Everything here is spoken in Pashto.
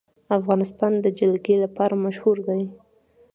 افغانستان د جلګه لپاره مشهور دی.